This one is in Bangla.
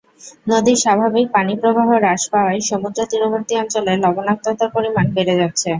নদীর স্বাভাবিক পানিপ্রবাহ হ্রাস পাওয়ায় সমুদ্র তীরবর্তী অঞ্চলে লবণাক্ততার পরিমাণ বেড়ে যাচ্ছে।